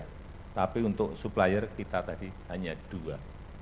tetapi untuk supplier kita tadi hanya dua